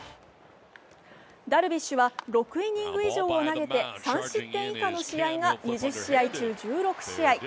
ダルビッシュは６イニング以上を投げて３失点以下の試合が２０試合中、１６試合。